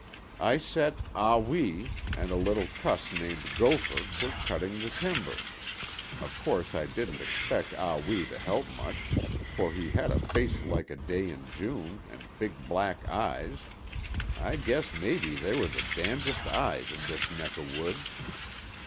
I set Ah Wee and a little cuss named Gopher to cutting the timber. Of course I didn't expect Ah Wee to help much, for he had a face like a day in June and big black eyes—I guess maybe they were the damn'dest eyes in this neck o' woods."